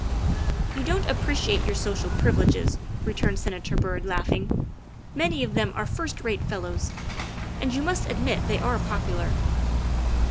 " You don't appreciate your social privileges," re turned Senator Byrd, laughing; " many of them are first rate fellows. And you must admit they are popu lar."